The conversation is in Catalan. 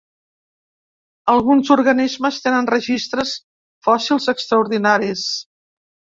Alguns organismes tenen registres fòssils extraordinaris.